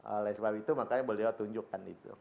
oleh sebab itu makanya beliau tunjukkan itu